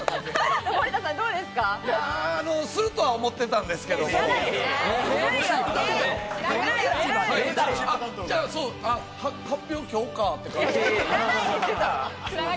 するとは思ってたんですけども、発表、今日かって感じ。